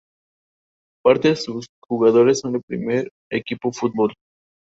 El plato puede ir acompañado con ají.